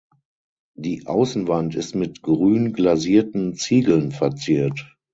Die Außenwand ist mit grün glasierten Ziegeln verziert.